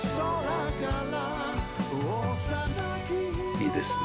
いいですね。